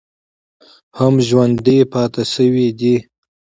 هم ژوندی پاتې شوی دی